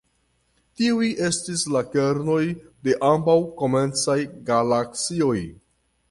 Tiuj estis la kernoj de ambaŭ komencaj galaksioj.